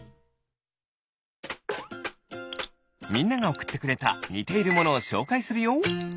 みんながおくってくれたにているものをしょうかいするよ。